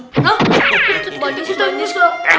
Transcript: hah kecut manis manis